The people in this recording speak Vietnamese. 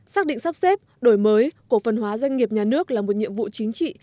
xác định sắp xếp đổi mới cổ phần hóa doanh nghiệp nhà nước là một nhiệm vụ chính trị